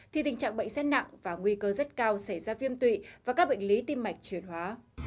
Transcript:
thì tình trạng bệnh rất nặng và nguy cơ rất cao xảy ra viêm tụy và các bệnh lý tim mạch chuyển hóa